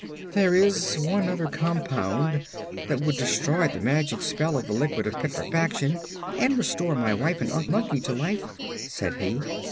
"There is one other compound that would destroy the magic spell of the Liquid of Petrifaction and restore my wife and Unc Nunkie to life," said he.